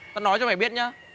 tao nói cho mày biết nhá